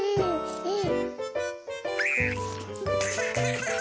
うん！